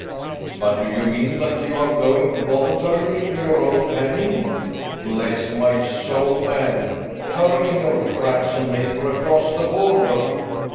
"But, do you mean that you are going voluntarily to your own hanging? Bless my soul, man, turn in your tracks and make for across the Border."